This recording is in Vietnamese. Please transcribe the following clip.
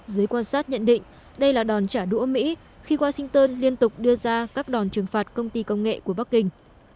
giới quan sát nhận định đây là đòn trả đũa mỹ khi washington liên tục đưa ra các đòn trừng phạt công ty công nghệ của bắc kinh